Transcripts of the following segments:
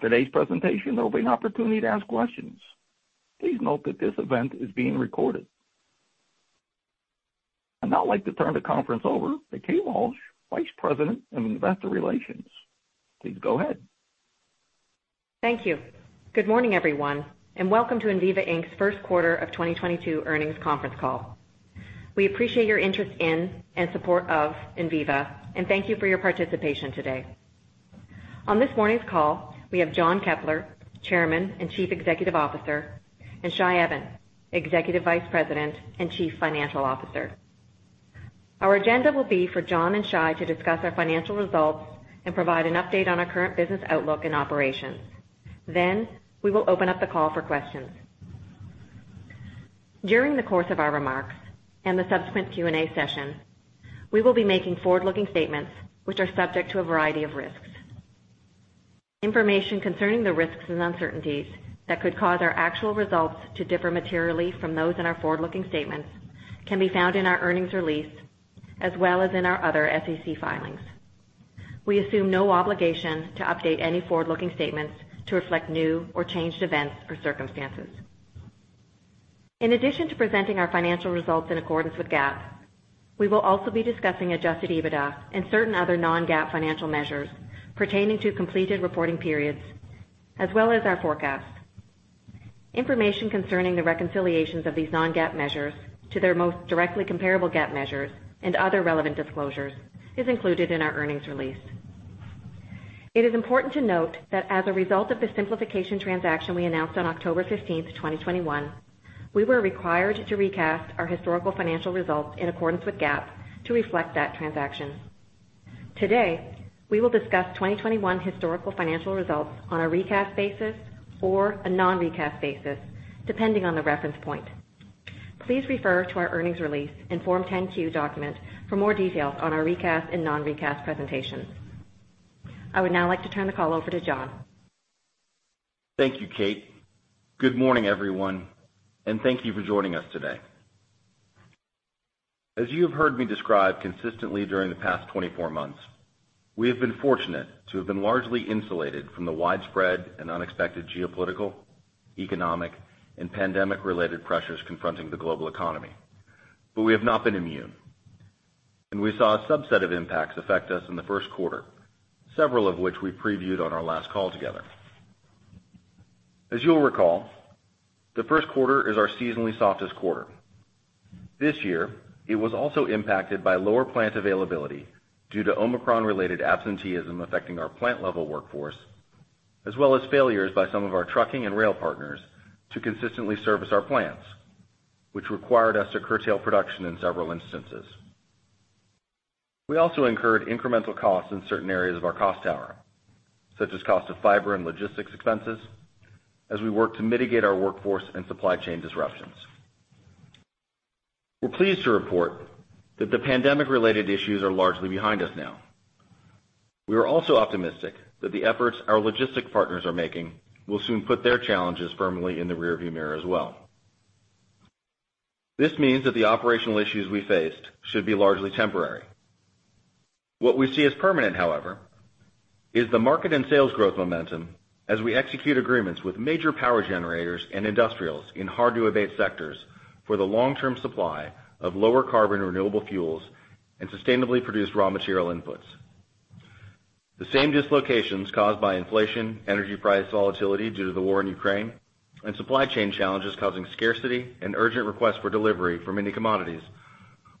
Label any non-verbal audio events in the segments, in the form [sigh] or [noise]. After today's presentation, there'll be an opportunity to ask questions. Please note that this event is being recorded. I'd now like to turn the conference over to Kate Walsh, Vice President of Investor Relations. Please go ahead. Thank you. Good morning, everyone, and welcome to Enviva Inc.'s first quarter of 2022 earnings conference call. We appreciate your interest in and support of Enviva, and thank you for your participation today. On this morning's call, we have John Keppler, Chairman and Chief Executive Officer, and Shai Even, Executive Vice President and Chief Financial Officer. Our agenda will be for John and Shai to discuss our financial results and provide an update on our current business outlook and operations. Then we will open up the call for questions. During the course of our remarks and the subsequent Q&A session, we will be making forward-looking statements which are subject to a variety of risks. Information concerning the risks and uncertainties that could cause our actual results to differ materially from those in our forward-looking statements can be found in our earnings release, as well as in our other SEC filings. We assume no obligation to update any forward-looking statements to reflect new or changed events or circumstances. In addition to presenting our financial results in accordance with GAAP, we will also be discussing Adjusted EBITDA and certain other non-GAAP financial measures pertaining to completed reporting periods, as well as our forecasts. Information concerning the reconciliations of these non-GAAP measures to their most directly comparable GAAP measures and other relevant disclosures is included in our earnings release. It is important to note that as a result of the simplification transaction we announced on October fifteenth, twenty twenty-one, we were required to recast our historical financial results in accordance with GAAP to reflect that transaction. Today, we will discuss 2021 historical financial results on a recast basis or a non-recast basis, depending on the reference point. Please refer to our earnings release and Form 10-Q document for more details on our recast and non-recast presentations. I would now like to turn the call over to John. Thank you, Kate. Good morning, everyone, and thank you for joining us today. As you have heard me describe consistently during the past 24 months, we have been fortunate to have been largely insulated from the widespread and unexpected geopolitical, economic, and pandemic-related pressures confronting the global economy. We have not been immune, and we saw a subset of impacts affect us in the first quarter, several of which we previewed on our last call together. As you'll recall, the first quarter is our seasonally softest quarter. This year, it was also impacted by lower plant availability due to Omicron-related absenteeism affecting our plant-level workforce, as well as failures by some of our trucking and rail partners to consistently service our plants, which required us to curtail production in several instances. We also incurred incremental costs in certain areas of our cost tower, such as cost of fiber and logistics expenses, as we work to mitigate our workforce and supply chain disruptions. We're pleased to report that the pandemic-related issues are largely behind us now. We are also optimistic that the efforts our logistics partners are making will soon put their challenges firmly in the rearview mirror as well. This means that the operational issues we faced should be largely temporary. What we see as permanent, however, is the market and sales growth momentum as we execute agreements with major power generators and industrials in hard-to-abate sectors for the long-term supply of lower carbon renewable fuels and sustainably produced raw material inputs. The same dislocations caused by inflation, energy price volatility due to the war in Ukraine, and supply chain challenges causing scarcity and urgent requests for delivery for many commodities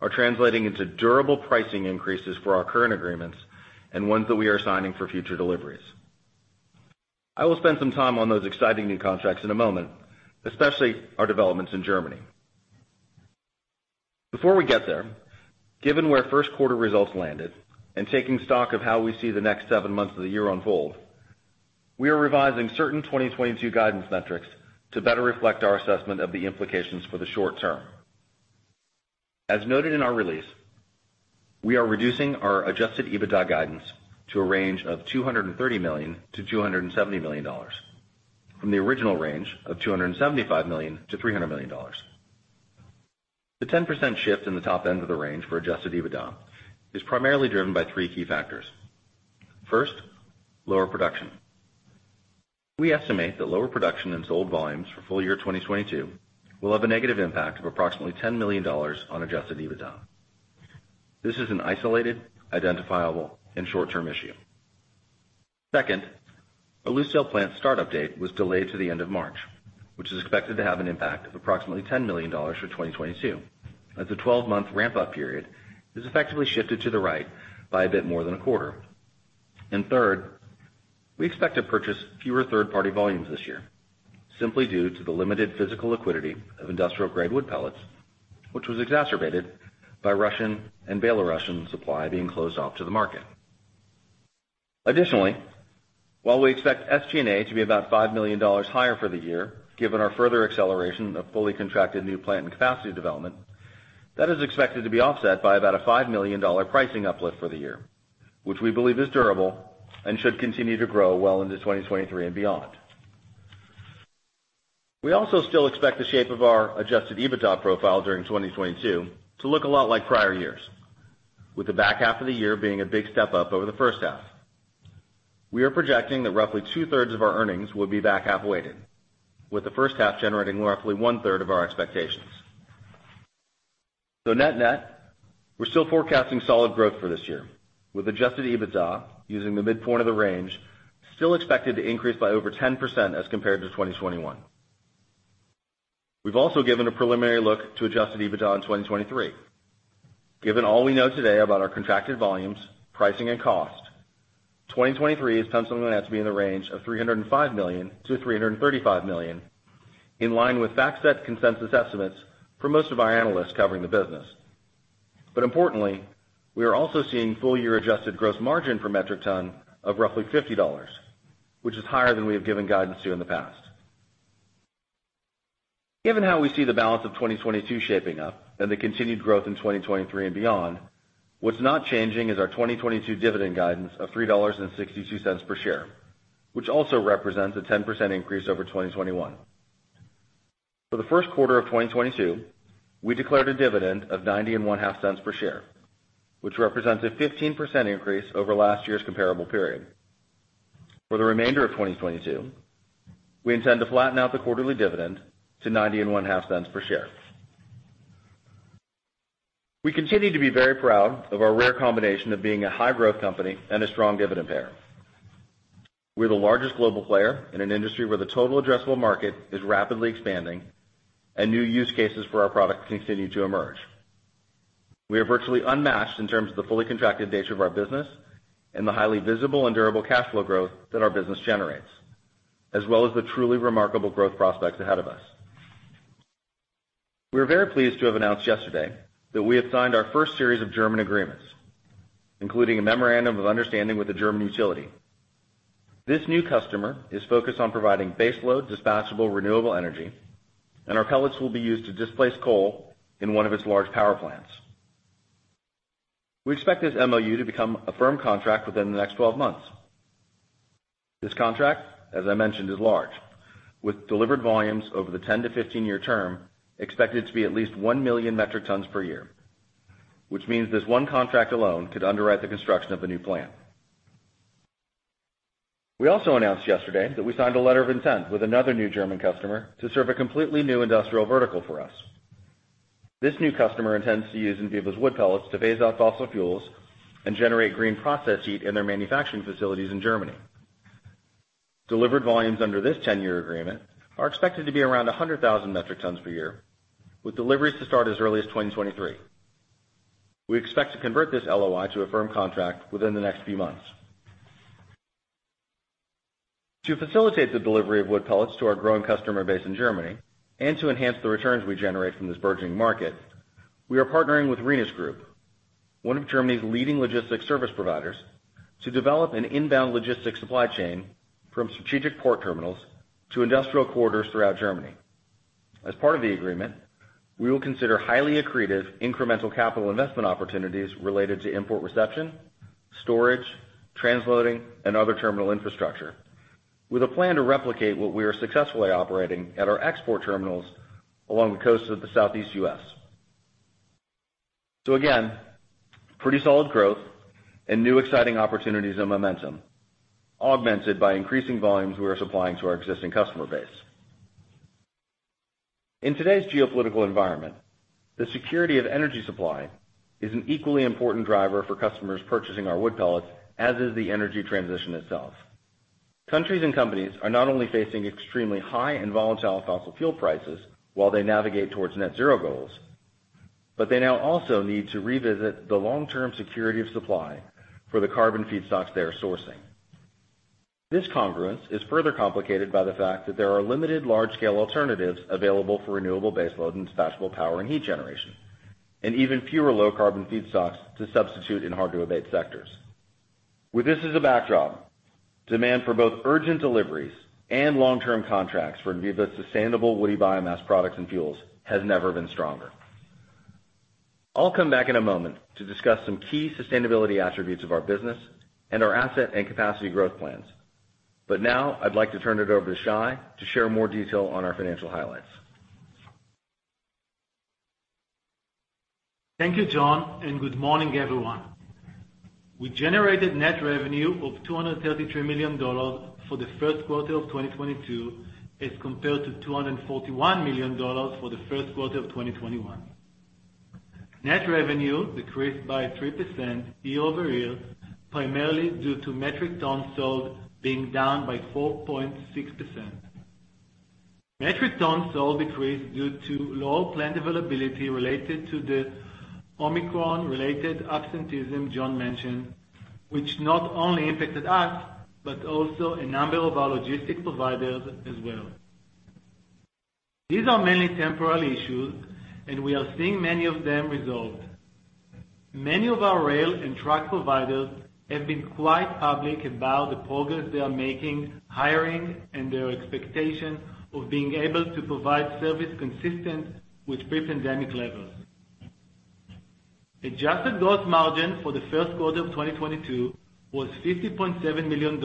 are translating into durable pricing increases for our current agreements and ones that we are signing for future deliveries. I will spend some time on those exciting new contracts in a moment, especially our developments in Germany. Before we get there, given where first quarter results landed and taking stock of how we see the next seven months of the year unfold, we are revising certain 2022 guidance metrics to better reflect our assessment of the implications for the short term. As noted in our release, we are reducing our Adjusted EBITDA guidance to a range of $230 million-$270 million from the original range of $275 million-$300 million. The 10% shift in the top end of the range for Adjusted EBITDA is primarily driven by three key factors. First, lower production. We estimate that lower production and sold volumes for full year 2022 will have a negative impact of approximately $10 million on Adjusted EBITDA. This is an isolated, identifiable, and short-term issue. Second, our Lucedale plant start-up was delayed to the end of March, which is expected to have an impact of approximately $10 million for 2022, as the 12-month ramp-up period is effectively shifted to the right by a bit more than a quarter. Third, we expect to purchase fewer third-party volumes this year, simply due to the limited physical liquidity of industrial-grade wood pellets, which was exacerbated by Russian and Belarusian supply being closed off to the market. Additionally, while we expect SG&A to be about $5 million higher for the year, given our further acceleration of fully contracted new plant and capacity development, that is expected to be offset by about a $5 million pricing uplift for the year, which we believe is durable and should continue to grow well into 2023 and beyond. We also still expect the shape of our adjusted EBITDA profile during 2022 to look a lot like prior years, with the back half of the year being a big step up over the first half. We are projecting that roughly two-thirds of our earnings will be back half weighted, with the first half generating roughly one-third of our expectations. Net net, we're still forecasting solid growth for this year with Adjusted EBITDA using the midpoint of the range still expected to increase by over 10% as compared to 2021. We've also given a preliminary look to Adjusted EBITDA in 2023. Given all we know today about our contracted volumes, pricing, and cost, 2023 is something that has to be in the range of $305 million-$335 million, in line with FactSet consensus estimates for most of our analysts covering the business. Importantly, we are also seeing full year adjusted gross margin for metric ton of roughly $50, which is higher than we have given guidance to in the past. Given how we see the balance of 2022 shaping up and the continued growth in 2023 and beyond, what's not changing is our 2022 dividend guidance of $3.62 per share, which also represents a 10% increase over 2021. For the first quarter of 2022, we declared a dividend of ninety-one and one-half cents per share, which represents a 15% increase over last year's comparable period. For the remainder of 2022, we intend to flatten out the quarterly dividend to ninety-one and one-half cents per share. We continue to be very proud of our rare combination of being a high growth company and a strong dividend payer. We're the largest global player in an industry where the total addressable market is rapidly expanding and new use cases for our products continue to emerge. We are virtually unmatched in terms of the fully contracted nature of our business and the highly visible and durable cash flow growth that our business generates, as well as the truly remarkable growth prospects ahead of us. We are very pleased to have announced yesterday that we have signed our first series of German agreements, including a memorandum of understanding with a German utility. This new customer is focused on providing baseload dispatchable renewable energy, and our pellets will be used to displace coal in one of its large power plants. We expect this MOU to become a firm contract within the next 12 months. This contract, as I mentioned, is large with delivered volumes over the 10- to 15-year term, expected to be at least 1 million metric tons per year, which means this one contract alone could underwrite the construction of a new plant. We also announced yesterday that we signed a letter of intent with another new German customer to serve a completely new industrial vertical for us. This new customer intends to use Enviva's wood pellets to phase out fossil fuels and generate green process heat in their manufacturing facilities in Germany. Delivered volumes under this 10-year agreement are expected to be around 100,000 metric tons per year, with deliveries to start as early as 2023. We expect to convert this LOI to a firm contract within the next few months. To facilitate the delivery of wood pellets to our growing customer base in Germany and to enhance the returns we generate from this burgeoning market, we are partnering with Rhenus Group, one of Germany's leading logistics service providers, to develop an inbound logistics supply chain from strategic port terminals to industrial corridors throughout Germany. As part of the agreement, we will consider highly accretive incremental capital investment opportunities related to import reception, storage, transloading, and other terminal infrastructure with a plan to replicate what we are successfully operating at our export terminals along the coast of the southeast U.S. Again, pretty solid growth and new exciting opportunities and momentum augmented by increasing volumes we are supplying to our existing customer base. In today's geopolitical environment, the security of energy supply is an equally important driver for customers purchasing our wood pellets, as is the energy transition itself. Countries and companies are not only facing extremely high and volatile fossil fuel prices while they navigate towards net zero goals, but they now also need to revisit the long-term security of supply for the carbon feedstocks they are sourcing. This congruence is further complicated by the fact that there are limited large-scale alternatives available for renewable baseload and dispatchable power and heat generation, and even fewer low carbon feedstocks to substitute in hard to abate sectors. With this as a backdrop, demand for both urgent deliveries and long-term contracts for Enviva's sustainable woody biomass products and fuels has never been stronger. I'll come back in a moment to discuss some key sustainability attributes of our business and our asset and capacity growth plans. Now I'd like to turn it over to Shai to share more detail on our financial highlights. Thank you, John, and good morning, everyone. We generated net revenue of $233 million for the first quarter of 2022 as compared to $241 million for the first quarter of 2021. Net revenue decreased by 3% year-over-year, primarily due to metric ton sold being down by 4.6%. Metric ton sold decreased due to lower plant availability related to the Omicron-related absenteeism John mentioned, which not only impacted us, but also a number of our logistics providers as well. These are mainly temporary issues, and we are seeing many of them resolved. Many of our rail and truck providers have been quite public about the progress they are making, hiring and their expectation of being able to provide service consistent with pre-pandemic levels. Adjusted gross margin for the first quarter of 2022 was $50.7 million,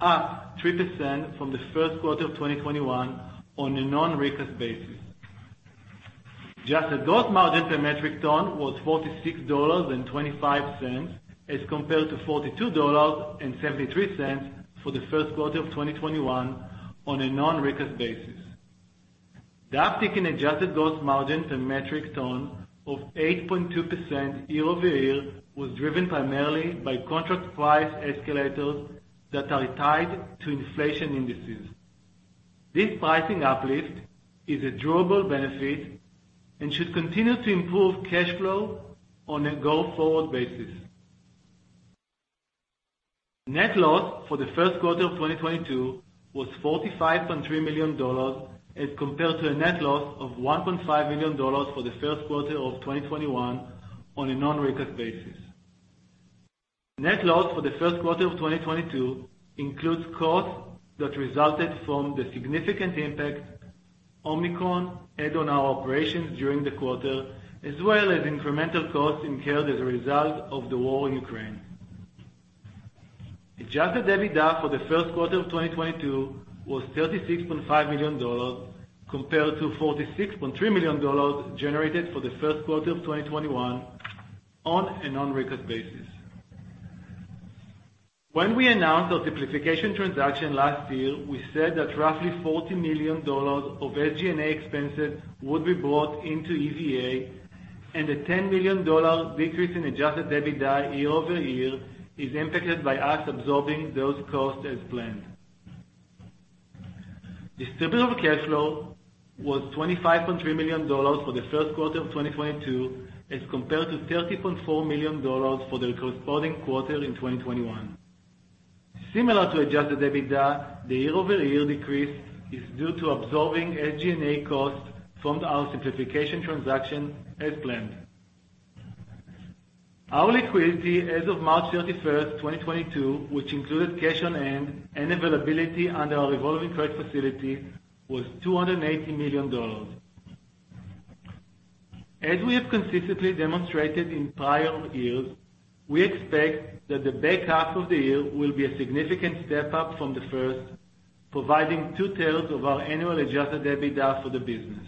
up 3% from the first quarter of 2021 on a non-recast basis. Adjusted gross margin per metric ton was $46.25, as compared to $42.73 for the first quarter of 2021 on a non-recast basis. The uptick in adjusted gross margin per metric ton of 8.2% year-over-year was driven primarily by contract price escalators that are tied to inflation indices. This pricing uplift is a durable benefit and should continue to improve cash flow on a go-forward basis. Net loss for the first quarter of 2022 was $45.3 million, as compared to a net loss of $1.5 million for the first quarter of 2021 on a non-recast basis. Net loss for the first quarter of 2022 includes costs that resulted from the significant impact Omicron had on our operations during the quarter, as well as incremental costs incurred as a result of the war in Ukraine. Adjusted EBITDA for the first quarter of 2022 was $36.5 million, compared to $46.3 million generated for the first quarter of 2021 on a non-recast basis. When we announced our simplification transaction last year, we said that roughly $40 million of SG&A expenses would be brought into Enviva, and a $10 million decrease in adjusted EBITDA year-over-year is impacted by us absorbing those costs as planned. Distributable cash flow was $25.3 million for the first quarter of 2022, as compared to $30.4 million for the corresponding quarter in 2021. Similar to adjusted EBITDA, the year-over-year decrease is due to absorbing SG&A costs from our simplification transaction as planned. Our liquidity as of March 31st, 2022, which included cash on hand and availability under our revolving credit facility, was $280 million. As we have consistently demonstrated in prior years, we expect that the back half of the year will be a significant step-up from the first, providing two-thirds of our annual adjusted EBITDA for the business.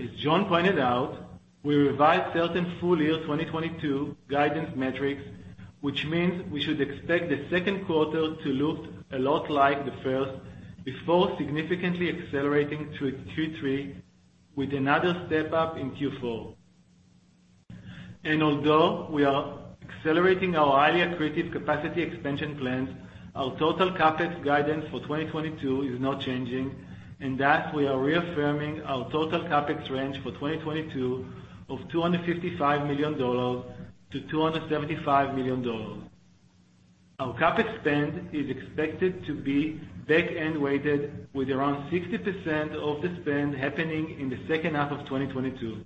As John pointed out, we revised certain full-year 2022 guidance metrics, which means we should expect the second quarter to look a lot like the first before significantly accelerating through Q3 with another step-up in Q4. Although we are accelerating our highly accretive capacity expansion plans, our total CapEx guidance for 2022 is not changing, and that we are reaffirming our total CapEx range for 2022 of $255 million-$275 million. Our CapEx spend is expected to be back-end weighted with around 60% of the spend happening in the second half of 2022.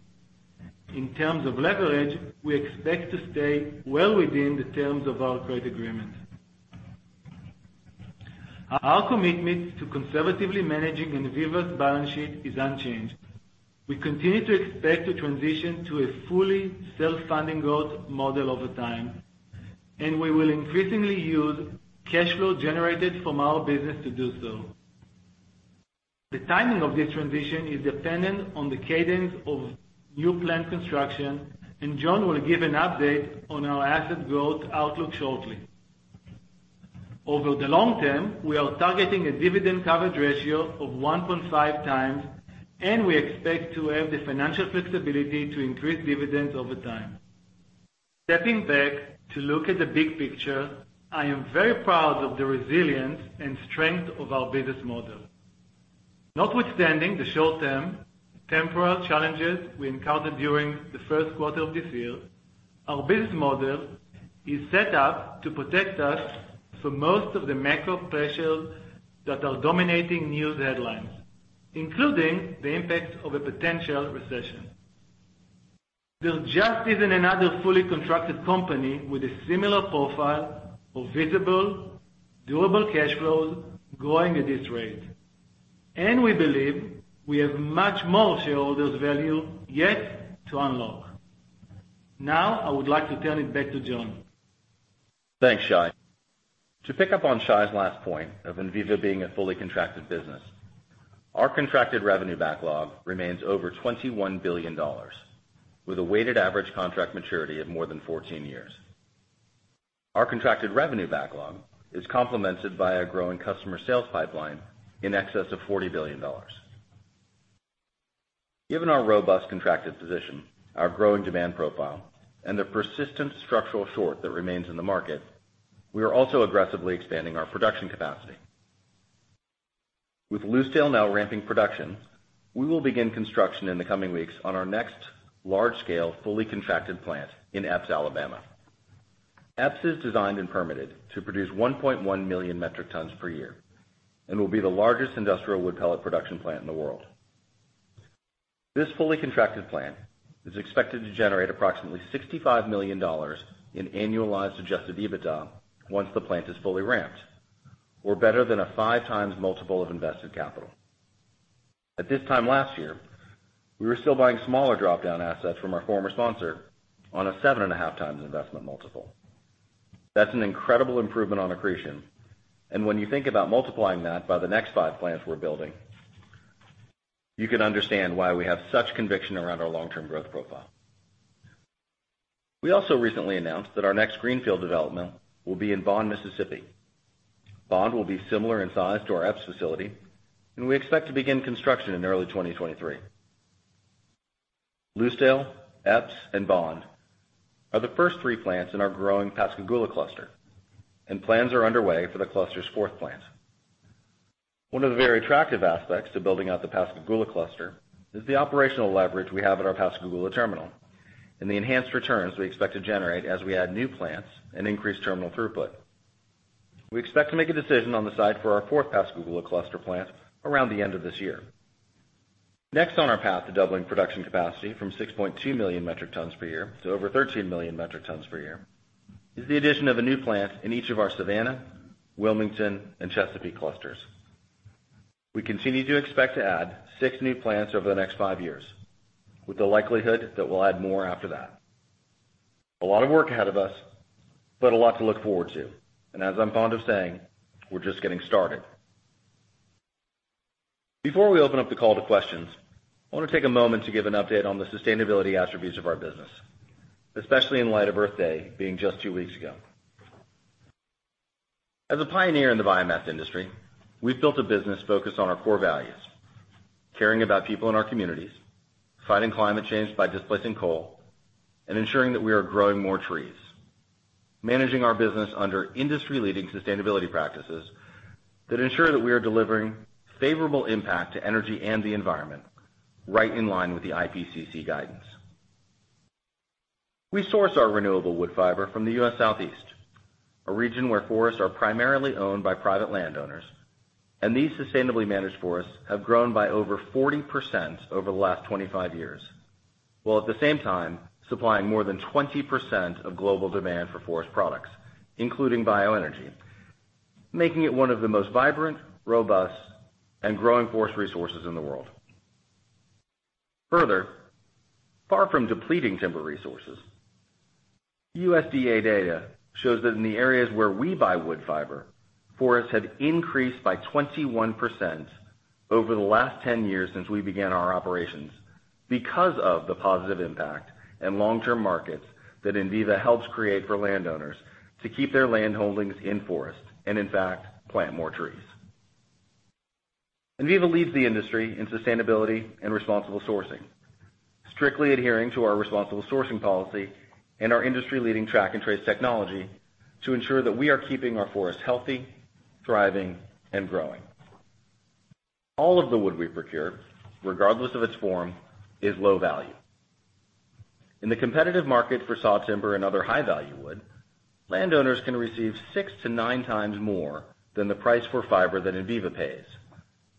In terms of leverage, we expect to stay well within the terms of our credit agreement. Our commitment to conservatively managing Enviva's balance sheet is unchanged. We continue to expect to transition to a fully self-funding growth model over time, and we will increasingly use cash flow generated from our business to do so. The timing of this transition is dependent on the cadence of new plant construction, and John will give an update on our asset growth outlook shortly. Over the long term, we are targeting a dividend coverage ratio of 1.5 times, and we expect to have the financial flexibility to increase dividends over time. Stepping back to look at the big picture, I am very proud of the resilience and strength of our business model. Notwithstanding the short-term temporal challenges we encountered during the first quarter of this year, our business model is set up to protect us from most of the macro pressures that are dominating news headlines, including the impact of a potential recession. There just isn't another fully contracted company with a similar profile of visible, durable cash flows growing at this rate. We believe we have much more shareholders' value yet to unlock. Now, I would like to turn it back to John. Thanks, Shai. To pick up on Shai's last point of Enviva being a fully contracted business, our contracted revenue backlog remains over $21 billion, with a weighted average contract maturity of more than 14 years. Our contracted revenue backlog is complemented by a growing customer sales pipeline in excess of $40 billion. Given our robust contracted position, our growing demand profile, and the persistent structural short that remains in the market, we are also aggressively expanding our production capacity. With Lucedale now ramping production, we will begin construction in the coming weeks on our next large-scale, fully contracted plant in Epes, Alabama. Epes is designed and permitted to produce 1.1 million metric tons per year and will be the largest industrial wood pellet production plant in the world. This fully contracted plant is expected to generate approximately $65 million in annualized Adjusted EBITDA once the plant is fully ramped, or better than a 5x multiple of invested capital. At this time last year, we were still buying smaller drop-down assets from our former sponsor on a 7.5x investment multiple. That's an incredible improvement on accretion. When you think about multiplying that by the next five plants we're building, you can understand why we have such conviction around our long-term growth profile. We also recently announced that our next greenfield development will be in Bond, Mississippi. Bond will be similar in size to our Epes facility, and we expect to begin construction in early 2023. Lucedale, Epes, and Bond are the first three plants in our growing Pascagoula cluster, and plans are underway for the cluster's fourth plant. One of the very attractive aspects to building out the Pascagoula cluster is the operational leverage we have at our Pascagoula terminal and the enhanced returns we expect to generate as we add new plants and increase terminal throughput. We expect to make a decision on the site for our fourth Pascagoula cluster plant around the end of this year. Next on our path to doubling production capacity from 6.2 million metric tons per year to over 13 million metric tons per year is the addition of a new plant in each of our Savannah, Wilmington, and Chesapeake clusters. We continue to expect to add six new plants over the next five years, with the likelihood that we'll add more after that. A lot of work ahead of us, but a lot to look forward to. As I'm fond of saying, we're just getting started. Before we open up the call to questions, I want to take a moment to give an update on the sustainability attributes of our business, especially in light of Earth Day being just two weeks ago. As a pioneer in the biomass industry, we've built a business focused on our core values, caring about people in our communities, fighting climate change by displacing coal, and ensuring that we are growing more trees. Managing our business under industry-leading sustainability practices that ensure that we are delivering favorable impact to energy and the environment right in line with the IPCC guidance. We source our renewable wood fiber from the U.S. Southeast, a region where forests are primarily owned by private landowners, and these sustainably managed forests have grown by over 40% over the last 25 years, while at the same time supplying more than 20% of global demand for forest products, including bioenergy, making it one of the most vibrant, robust, and growing forest resources in the world. Further, far from depleting timber resources, USDA data shows that in the areas where we buy wood fiber, forests have increased by 21% over the last 10 years since we began our operations because of the positive impact and long-term markets that Enviva helps create for landowners to keep their land holdings in forest and in fact, plant more trees. Enviva leads the industry in sustainability and responsible sourcing, strictly adhering to our responsible sourcing policy and our industry-leading track and trace technology to ensure that we are keeping our forest healthy, thriving, and growing. All of the wood we procure, regardless of its form, is low value. In the competitive market for saw timber and other high-value wood, landowners can receive six to nine times more than the price for fiber that Enviva pays,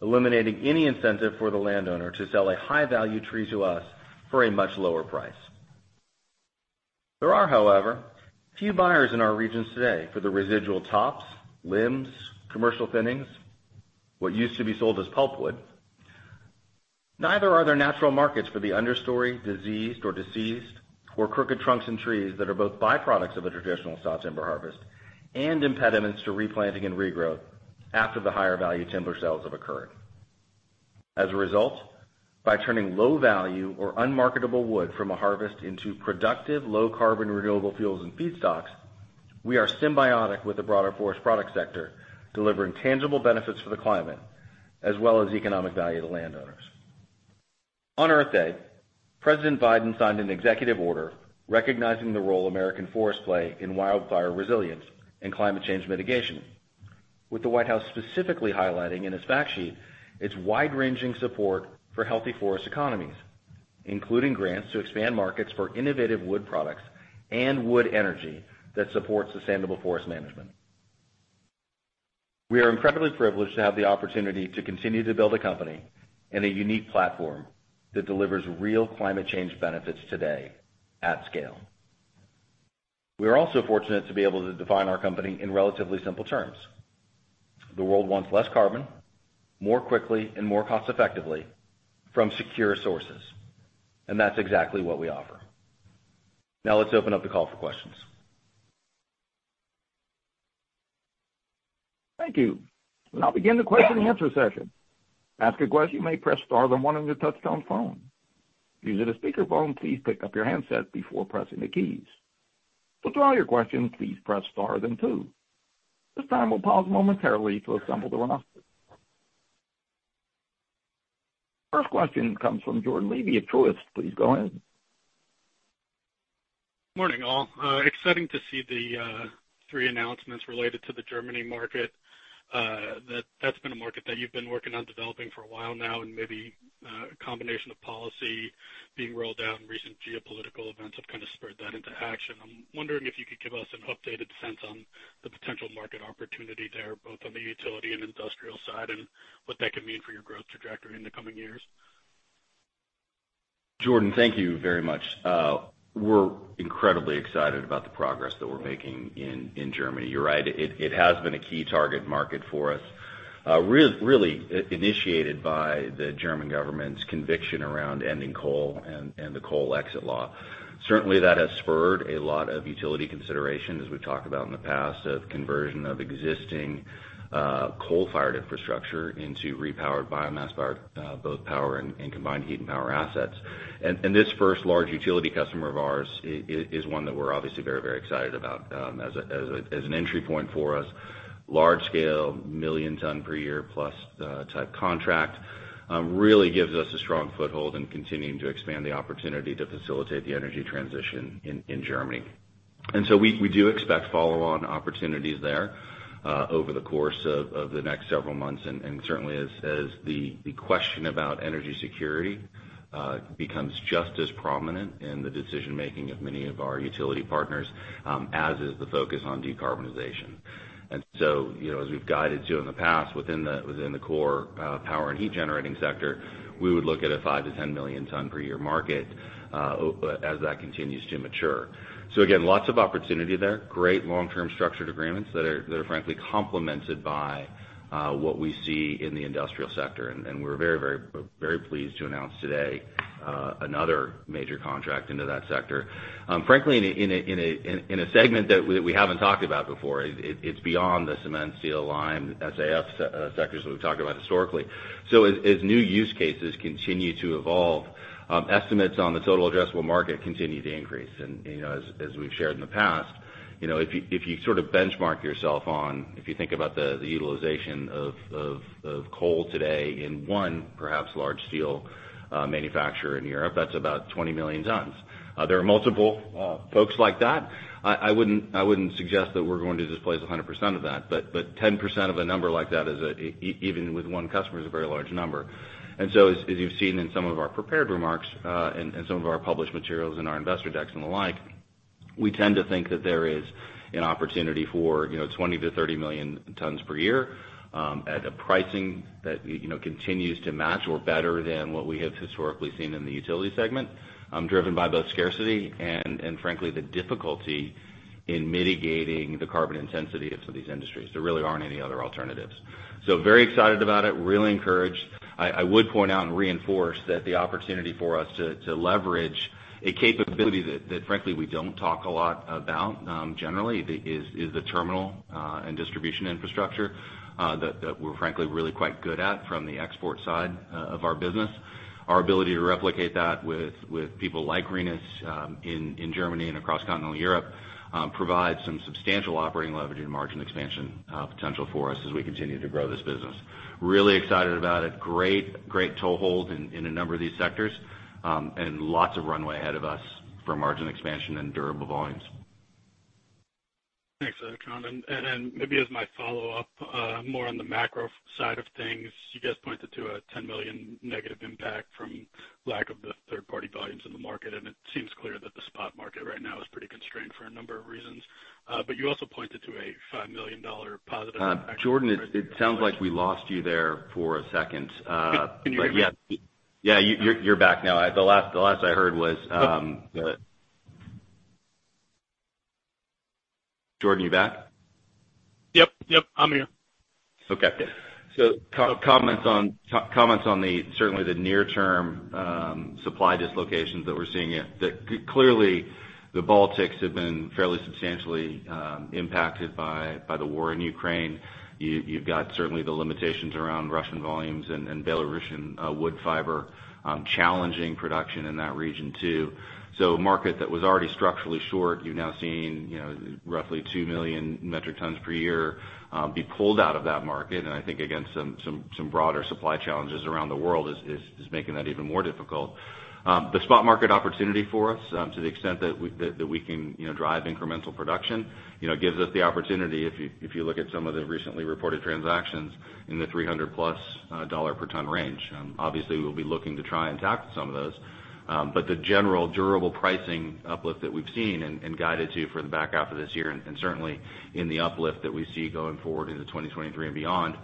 eliminating any incentive for the landowner to sell a high-value tree to us for a much lower price. There are, however, few buyers in our regions today for the residual tops, limbs, commercial thinnings, what used to be sold as pulpwood. Neither are there natural markets for the understory, diseased or deceased, or crooked trunks and trees that are both byproducts of a traditional saw timber harvest and impediments to replanting and regrowth after the higher value timber sales have occurred. As a result, by turning low value or unmarketable wood from a harvest into productive low carbon renewable fuels and feedstocks, we are symbiotic with the broader forest product sector, delivering tangible benefits for the climate as well as economic value to landowners. On Earth Day, President Biden signed an executive order recognizing the role American forests play in wildfire resilience and climate change mitigation, with the White House specifically highlighting in its fact sheet its wide-ranging support for healthy forest economies, including grants to expand markets for innovative wood products and wood energy that support sustainable forest management. We are incredibly privileged to have the opportunity to continue to build a company and a unique platform that delivers real climate change benefits today at scale. We are also fortunate to be able to define our company in relatively simple terms. The world wants less carbon, more quickly and more cost effectively from secure sources, and that's exactly what we offer. Now let's open up the call for questions. Thank you. We'll now begin the question and answer session. To ask a question, you may press star then one on your touchtone phone. If you're using a speakerphone, please pick up your handset before pressing the keys. To withdraw your question, please press star then two. This time we'll pause momentarily to assemble the roster. First question comes from Jordan Levy at Truist. Please go ahead. Morning all. Exciting to see the three announcements related to the German market. That's been a market that you've been working on developing for a while now, and maybe a combination of policy being rolled out and recent geopolitical events have kind of spurred that into action. I'm wondering if you could give us an updated sense on the potential market opportunity there, both on the utility and industrial side, and what that could mean for your growth trajectory in the coming years. Jordan, thank you very much. We're incredibly excited about the progress that we're making in Germany. You're right. It has been a key target market for us, really initiated by the German government's conviction around ending coal and the Coal Exit Law. Certainly, that has spurred a lot of utility consideration, as we've talked about in the past, of conversion of existing coal-fired infrastructure into repowered biomass power, both power and combined heat and power assets. This first large utility customer of ours is one that we're obviously very, very excited about as an entry point for us. Large-scale million-ton-per-year-plus type contract really gives us a strong foothold in continuing to expand the opportunity to facilitate the energy transition in Germany. We do expect follow-on opportunities there over the course of the next several months, and certainly as the question about energy security becomes just as prominent in the decision-making of many of our utility partners as is the focus on decarbonization. You know, as we've guided to in the past within the core power and heat generating sector, we would look at a 5-10 million ton per year market as that continues to mature. Again, lots of opportunity there. Great long-term structured agreements that are frankly complemented by what we see in the industrial sector. We're very pleased to announce today another major contract into that sector. Frankly, in a segment that we haven't talked about before. It's beyond the cement, steel, lime, SAF sectors that we've talked about historically. As new use cases continue to evolve, estimates on the total addressable market continue to increase. You know, as we've shared in the past, you know, if you sort of benchmark yourself on, if you think about the utilization of coal today in one perhaps large steel manufacturer in Europe, that's about 20 million tons. There are multiple folks like that. I wouldn't suggest that we're going to displace 100% of that, but 10% of a number like that is, even with one customer, a very large number. As you've seen in some of our prepared remarks, and some of our published materials in our investor decks and the like, we tend to think that there is an opportunity for, you know, 20-30 million tons per year, at a pricing that, you know, continues to match or better than what we have historically seen in the utility segment, driven by both scarcity and frankly, the difficulty in mitigating the carbon intensity of some of these industries. There really aren't any other alternatives. Very excited about it, really encouraged. I would point out and reinforce that the opportunity for us to leverage a capability that frankly we don't talk a lot about generally is the terminal and distribution infrastructure that we're frankly really quite good at from the export side of our business. Our ability to replicate that with people like Rhenus in Germany and across continental Europe provides some substantial operating leverage and margin expansion potential for us as we continue to grow this business. Really excited about it. Great toehold in a number of these sectors and lots of runway ahead of us for margin expansion and durable volumes. Thanks, John. Maybe as my follow-up, more on the macro side of things, you guys pointed to a $10 million negative impact from lack of the third-party volumes in the market, and it seems clear that the spot market right now is pretty constrained for a number of reasons. You also pointed to a $5 million positive impact- Jordan, it sounds like we lost you there for a second. Can you hear me? Yeah, you're back now. The last I heard was, Jordan, you back? Yep, I'm here. Okay. Comments on the certainly the near-term supply dislocations that we're seeing that clearly the Baltics have been fairly substantially impacted by the war in Ukraine. You've got certainly the limitations around Russian volumes and Belarusian wood fiber challenging production in that region too. A market that was already structurally short you're now seeing you know roughly 2 million metric tons per year be pulled out of that market. I think again some broader supply challenges around the world is making that even more difficult. The spot market opportunity for us, to the extent that we can, you know, drive incremental production, you know, gives us the opportunity, if you look at some of the recently reported transactions in the $300+ per ton range. Obviously, we'll be looking to try and tackle some of those. The general durable pricing uplift that we've seen and guided to for the back half of this year, and certainly in the uplift that we see going forward into 2023 and beyond,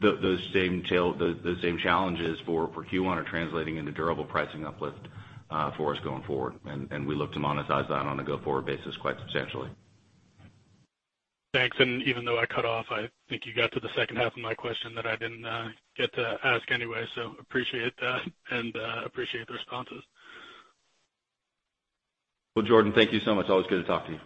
those same challenges for Q1 are translating into durable pricing uplift for us going forward, and we look to monetize that on a go-forward basis quite substantially. Thanks. Even though I cut off, I think you got to the second half of my question that I didn't get to ask anyway, so appreciate that and appreciate the responses. Well, Jordan, thank you so much. Always good to talk to you.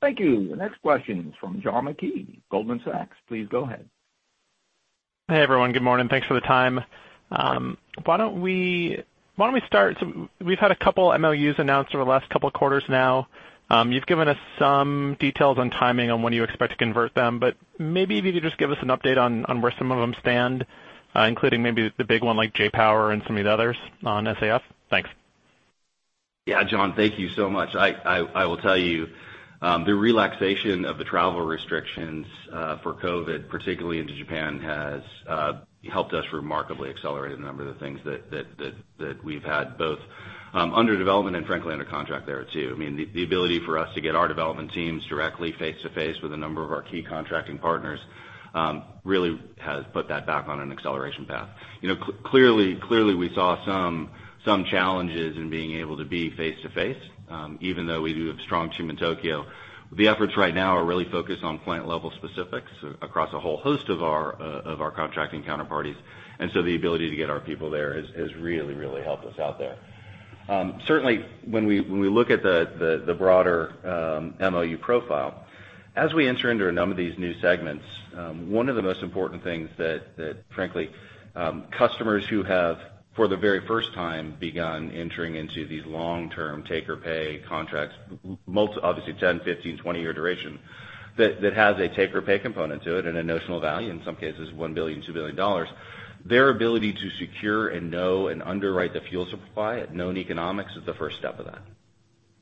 Thank you. The next question is from John Mackay, Goldman Sachs. Please go ahead. Hey, everyone. Good morning. Thanks for the time. Why don't we start. We've had a couple MOUs announced over the last couple of quarters now. You've given us some details on timing when you expect to convert them, but maybe if you could just give us an update on where some of them stand, including maybe the big one like J-POWER and some of the others on SAF. Thanks. Yeah. John, thank you so much. I will tell you the relaxation of the travel restrictions for COVID, particularly into Japan, has helped us remarkably accelerate a number of the things that we've had both under development and frankly under contract there too. I mean, the ability for us to get our development teams directly face-to-face with a number of our key contracting partners really has put that back on an acceleration path. You know, clearly we saw some challenges in being able to be face-to-face, even though we do have strong team in Tokyo. The efforts right now are really focused on plant-level specifics across a whole host of our contracting counterparties. The ability to get our people there has really helped us out there. Certainly when we look at the broader MOU profile, as we enter into a number of these new segments, one of the most important things that frankly customers who have, for the very first time, begun entering into these long-term take-or-pay contracts, most obviously 10, 15, 20-year duration, that has a take-or-pay component to it and a notional value, in some cases $1 billion, $2 billion, their ability to secure and know and underwrite the fuel supply at known economics is the first step of that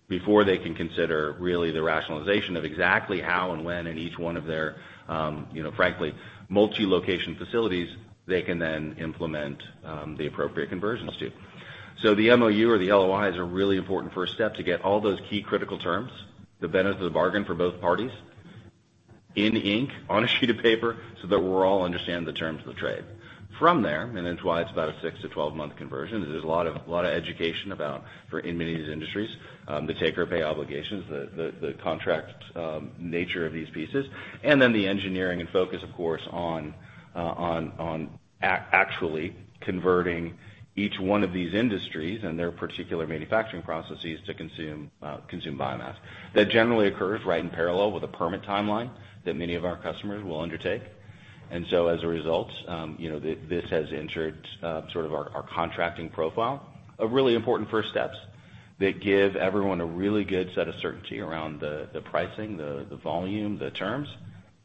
before they can consider really the rationalization of exactly how and when in each one of their, you know, frankly multi-location facilities, they can then implement the appropriate conversions to. The MOU or the LOI is a really important first step to get all those key critical terms, the benefits of the bargain for both parties in ink on a sheet of paper so that we all understand the terms of the trade. From there, it's why it's about a six to 12-month conversion, there's a lot of education about foreign in many of these industries, the take-or-pay obligations, the contract nature of these pieces, and then the engineering and focus, of course, on actually converting each one of these industries and their particular manufacturing processes to consume biomass. That generally occurs right in parallel with a permit timeline that many of our customers will undertake. As a result, you know, this has ensured sort of our contracting profile of really important first steps that give everyone a really good set of certainty around the pricing, the volume, the terms.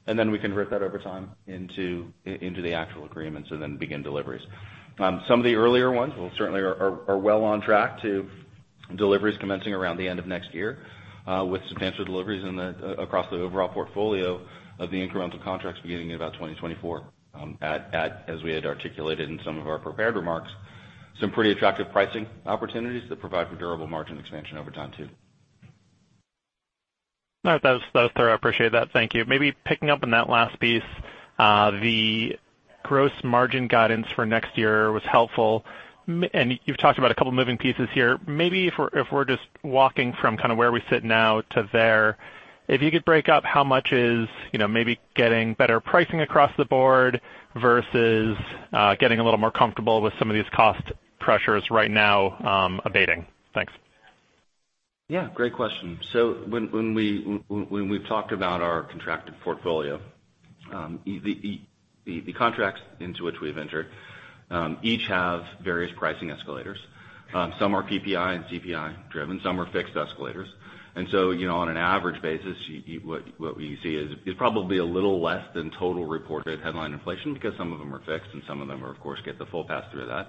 We convert that over time into the actual agreements and then begin deliveries. Some of the earlier ones will certainly be well on track to deliveries commencing around the end of next year, with substantial deliveries across the overall portfolio of the incremental contracts beginning in about 2024, as we had articulated in some of our prepared remarks, some pretty attractive pricing opportunities that provide for durable margin expansion over time too. All right. That was thorough. I appreciate that. Thank you. Maybe picking up on that last piece, the gross margin guidance for next year was helpful. And you've talked about a couple moving pieces here. Maybe if we're just walking from kinda where we sit now to there, if you could break up how much is, you know, maybe getting better pricing across the board versus getting a little more comfortable with some of these cost pressures right now, abating. Thanks. Yeah, great question. So when we've talked about our contracted portfolio, the contracts into which we've entered, each have various pricing escalators. Some are PPI and CPI driven, some are fixed escalators. You know, on an average basis, what we see is probably a little less than total reported headline inflation because some of them are fixed and some of them are, of course, get the full pass through of that.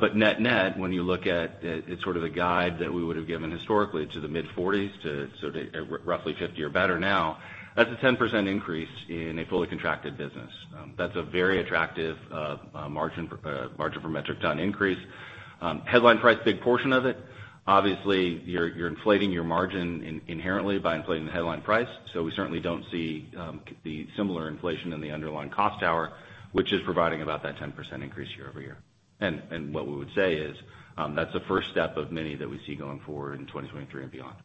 But net-net, when you look at it's sort of the guide that we would've given historically to the mid-forties to sort of roughly fifty or better now, that's a 10% increase in a fully contracted business. That's a very attractive margin for metric ton increase. Headline price, big portion of it. Obviously, you're inflating your margin inherently by inflating the headline price. We certainly don't see the similar inflation in the underlying costs, however, which is providing about that 10% increase year-over-year. What we would say is that's the first step of many that we see going forward in 2023 and beyond.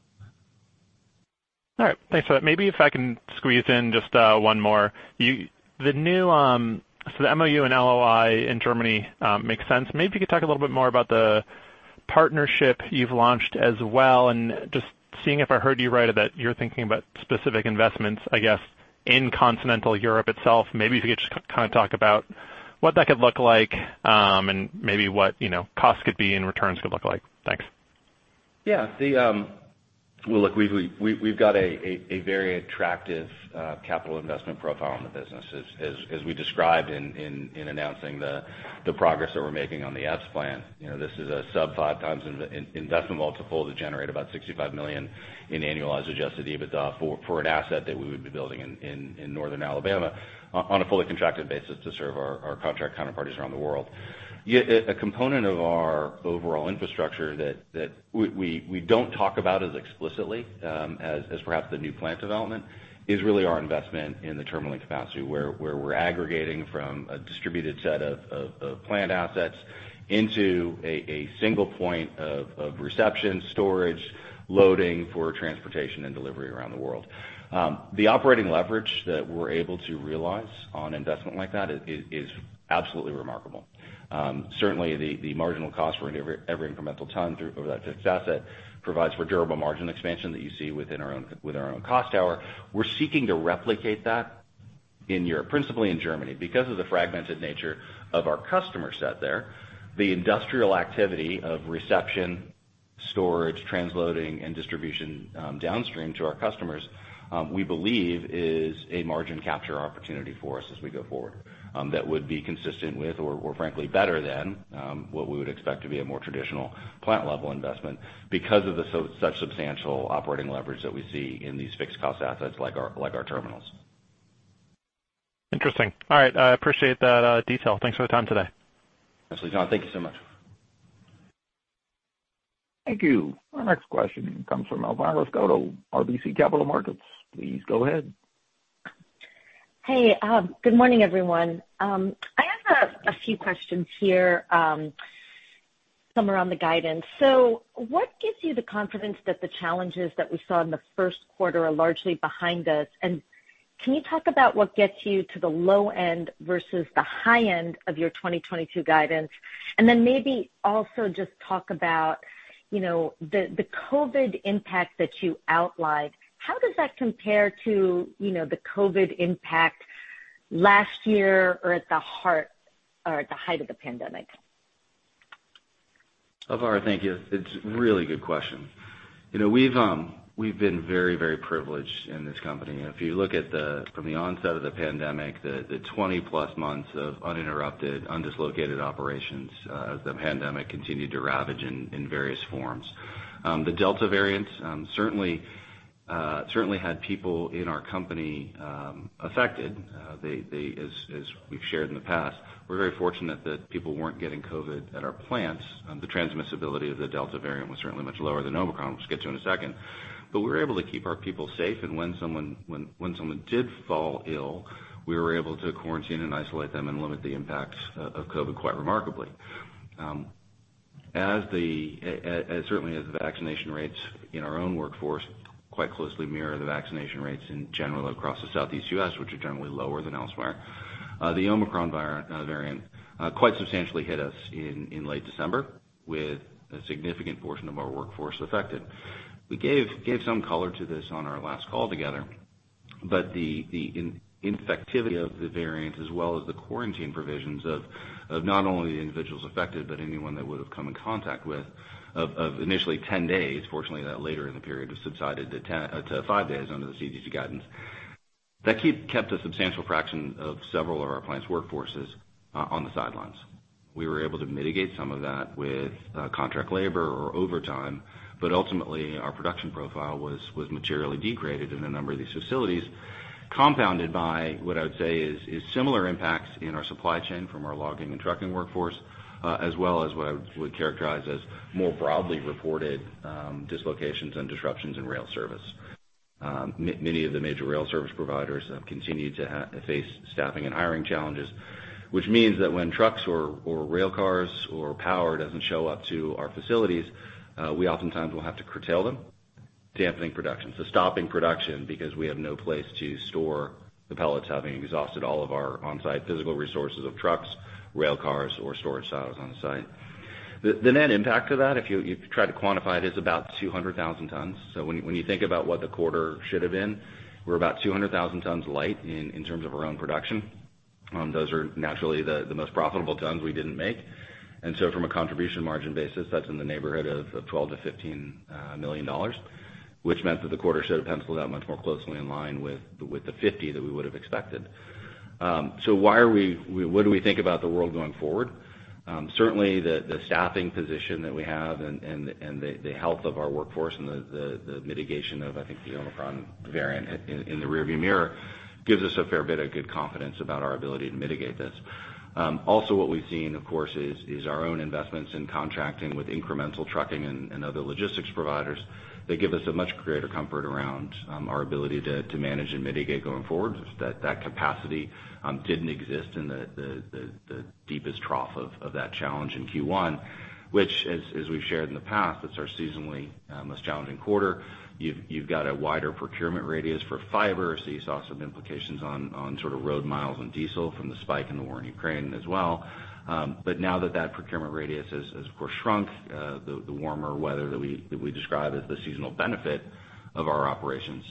All right. Thanks for that. Maybe if I can squeeze in just one more. The MOU and LOI in Germany makes sense. Maybe you could talk a little bit more about the partnership you've launched as well and just seeing if I heard you right, that you're thinking about specific investments, I guess, in continental Europe itself. Maybe if you could just kind of talk about what that could look like, and maybe what, you know, costs could be and returns could look like. Thanks. Yeah. Well, look, we've got a very attractive capital investment profile in the business. As we described in announcing the progress that we're making on the Epes plant. You know, this is a sub 5x investment multiple to generate about $65 million in annualized Adjusted EBITDA for an asset that we would be building in northern Alabama on a fully contracted basis to serve our contract counterparties around the world. A component of our overall infrastructure that we don't talk about as explicitly as perhaps the new plant development is really our investment in the terminaling capacity, where we're aggregating from a distributed set of plant assets into a single point of reception, storage, loading for transportation and delivery around the world. The operating leverage that we're able to realize on investment like that is absolutely remarkable. Certainly the marginal cost for every incremental ton throughput of that fixed asset provides for durable margin expansion that you see within our own cost structure. We're seeking to replicate that in Europe, principally in Germany. Because of the fragmented nature of our customer set there, the industrial activity of reception, storage, transloading, and distribution downstream to our customers, we believe is a margin capture opportunity for us as we go forward, that would be consistent with or frankly better than what we would expect to be a more traditional plant level investment because of the such substantial operating leverage that we see in these fixed cost assets like our terminals. Interesting. All right. I appreciate that detail. Thanks for the time today. Absolutely, John. Thank you so much. Thank you. Our next question comes from Elvira Scotto, RBC Capital Markets. Please go ahead. Hey. Good morning, everyone. I have a few questions here, some are on the guidance. What gives you the confidence that the challenges that we saw in the first quarter are largely behind us? Can you talk about what gets you to the low end versus the high end of your 2022 guidance? Maybe also just talk about, you know, the COVID impact that you outlined. How does that compare to, you know, the COVID impact last year or at the heart or at the height of the pandemic? Elvira, thank you. It's a really good question. You know, we've been very privileged in this company. If you look at from the onset of the pandemic, the 20-plus months of uninterrupted, undislocated operations, as the pandemic continued to ravage in various forms. The Delta variant certainly had people in our company affected. As we've shared in the past, we're very fortunate that people weren't getting COVID at our plants. The transmissibility of the Delta variant was certainly much lower than Omicron, which I'll get to in a second. We were able to keep our people safe. When someone did fall ill, we were able to quarantine and isolate them and limit the impacts of COVID quite remarkably. As the vaccination rates in our own workforce quite closely mirror the vaccination rates in general across the Southeast U.S., which are generally lower than elsewhere. The Omicron variant quite substantially hit us in late December with a significant portion of our workforce affected. We gave some color to this on our last call together, but the infectivity of the variant as well as the quarantine provisions of not only the individuals affected, but anyone they would've come in contact with of initially 10 days. Fortunately, that later in the period was subsided to five days under the CDC guidance. That kept a substantial fraction of several of our plants' workforces on the sidelines. We were able to mitigate some of that with contract labor or overtime, but ultimately our production profile was materially degraded in a number of these facilities, compounded by what I would say is similar impacts in our supply chain from our logging and trucking workforce, as well as what I would characterize as more broadly reported dislocations and disruptions in rail service. Many of the major rail service providers have continued to face staffing and hiring challenges, which means that when trucks or rail cars or barge doesn't show up to our facilities, we oftentimes will have to curtail them, dampening production. Stopping production because we have no place to store the pellets, having exhausted all of our on-site physical resources of trucks, rail cars, or storage silos on site. The net impact of that, if you try to quantify it, is about 200,000 tons. When you think about what the quarter should have been, we're about 200,000 tons light in terms of our own production. Those are naturally the most profitable tons we didn't make. From a contribution margin basis, that's in the neighborhood of $12 million-$15 million, which meant that the quarter should have penciled out much more closely in line with the $50 million that we would've expected. What do we think about the world going forward? Certainly the staffing position that we have and the health of our workforce and the mitigation of, I think, the Omicron variant in the rear view mirror gives us a fair bit of good confidence about our ability to mitigate this. Also what we've seen, of course, is our own investments in contracting with incremental trucking and other logistics providers that give us a much greater comfort around our ability to manage and mitigate going forward. That capacity didn't exist in the deepest trough of that challenge in Q1, which as we've shared in the past, it's our seasonally most challenging quarter. You've got a wider procurement radius for fiber. You saw some implications on sort of road miles and diesel from the spike in the war in Ukraine as well. But now that procurement radius has of course shrunk, the warmer weather that we describe as the seasonal benefit of our operations,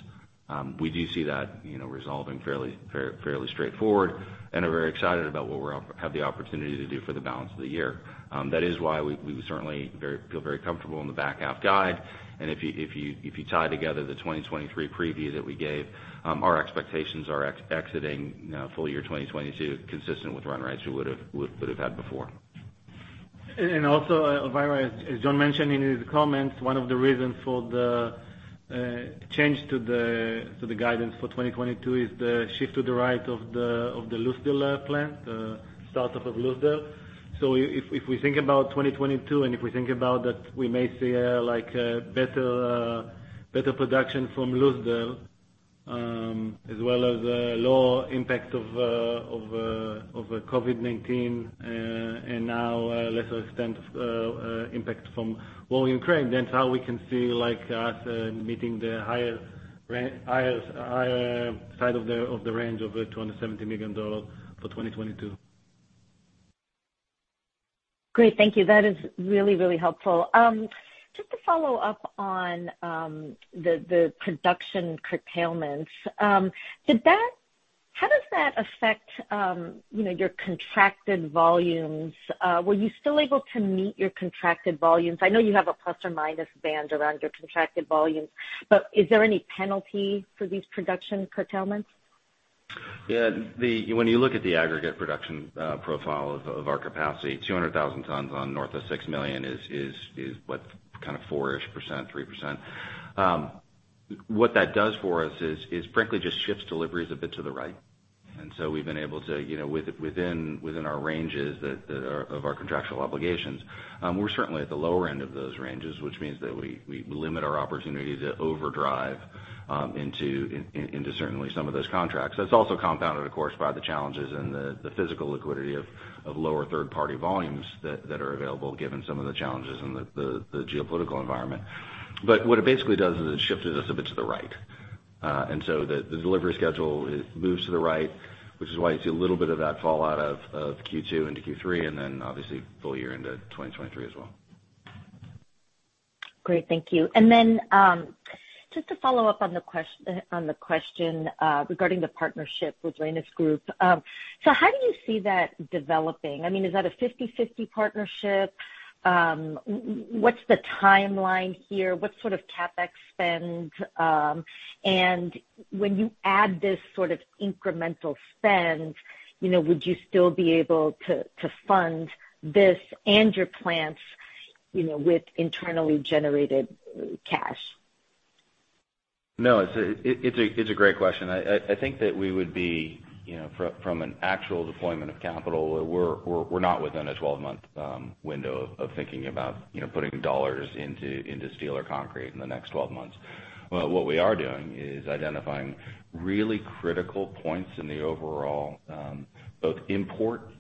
we do see that, you know, resolving fairly straightforward and are very excited about what we have the opportunity to do for the balance of the year. That is why we certainly feel very comfortable in the back half guide. If you tie together the 2023 preview that we gave, our expectations are exciting full year 2022 consistent with run rates we would've had before. Also, Elvira, as John mentioned in his comments, one of the reasons for the change to the guidance for 2022 is the shift to the right of the Lucedale plant startup of Lucedale. If we think about 2022, and if we think about that we may see like better production from Lucedale, as well as lower impact of COVID-19, and now to a lesser extent impact from war in Ukraine, that's how we can see like us meeting the higher side of the range of $270 million for 2022. Great. Thank you. That is really, really helpful. Just to follow up on the production curtailments. How did that affect, you know, your contracted volumes? Were you still able to meet your contracted volumes? I know you have a plus or minus band around your contracted volumes, but is there any penalty for these production curtailments? Yeah. When you look at the aggregate production profile of our capacity, 200,000 tons on north of 6 million is what kind of 4-ish%, 3%. What that does for us is frankly just shifts deliveries a bit to the right. We've been able to, you know, within our ranges that of our contractual obligations, we're certainly at the lower end of those ranges, which means that we limit our opportunity to overdrive into certainly some of those contracts. That's also compounded, of course, by the challenges and the physical liquidity of lower third-party volumes that are available given some of the challenges in the geopolitical environment. What it basically does is it shifted us a bit to the right. The delivery schedule moves to the right, which is why you see a little bit of that fallout of Q2 into Q3, and then obviously full year into 2023 as well. Great. Thank you. Just to follow up on the question regarding the partnership with Rhenus Group. How do you see that developing? I mean, is that a 50-50 partnership? What's the timeline here? What sort of CapEx spend? When you add this sort of incremental spend, you know, would you still be able to fund this and your plants, you know, with internally generated cash? No, it's a great question. I think that we would be, you know, from an actual deployment of capital, we're not within a 12-month window of thinking about, you know, putting dollars into steel or concrete in the next 12 months. But what we are doing is identifying really critical points in the overall both import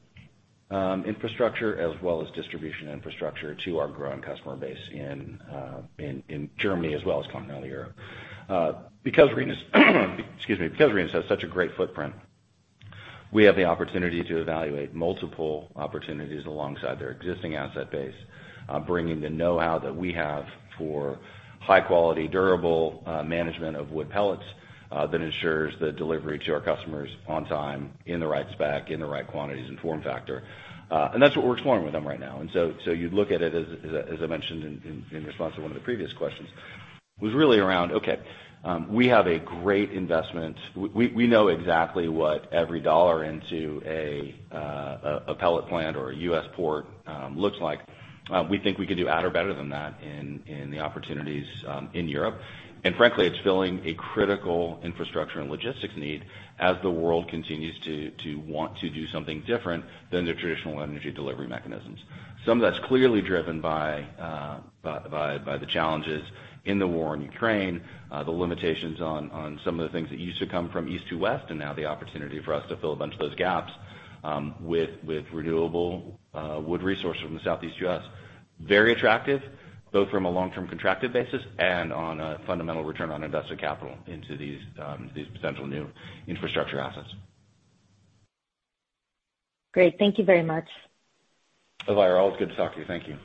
infrastructure as well as distribution infrastructure to our growing customer base in Germany as well as Continental Europe. Because Rhenus has such a great footprint, we have the opportunity to evaluate multiple opportunities alongside their existing asset base, bringing the know-how that we have for high quality, durable management of wood pellets that ensures the delivery to our customers on time in the right spec, in the right quantities and form factor. That's what we're exploring with them right now. You'd look at it as I mentioned in response to one of the previous questions was really around we have a great investment. We know exactly what every dollar into a pellet plant or a U.S. port looks like. We think we could do at or better than that in the opportunities in Europe. Frankly, it's filling a critical infrastructure and logistics need as the world continues to want to do something different than the traditional energy delivery mechanisms. Some of that's clearly driven by the challenges in the war in Ukraine, the limitations on some of the things that used to come from East to West, and now the opportunity for us to fill a bunch of those gaps with renewable wood resources from the Southeast US. Very attractive, both from a long-term contracted basis and on a fundamental return on invested capital into these potential new infrastructure assets. Great. Thank you very much. Elvira Scotto, it's good to talk to you. Thank you.